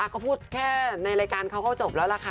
เขาพูดแค่ในรายการเขาก็จบแล้วล่ะค่ะ